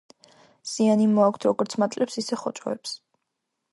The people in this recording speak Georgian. ზიანი მოაქვთ როგორც მატლებს, ისე ხოჭოებს.